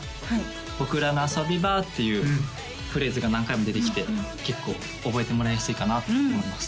「僕らの遊び場」っていうフレーズが何回も出てきて結構覚えてもらいやすいかなと思います